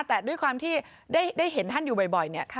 แต่ด้วยความที่ได้เห็นท่านอยู่บ่อยเนี่ย